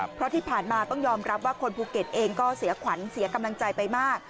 เพราะที่ผ่านมาต้องยอมรับว่าคนภูเก็ตเองก็เสียขวัญเสียกำลังใจไปมาก